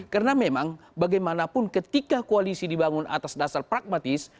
karena memang bagaimanapun ketika koalisi dibangun atas dasar pragmatis